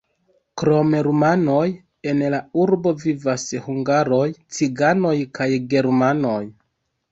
Krom rumanoj, en la urbo vivas hungaroj, ciganoj kaj germanoj.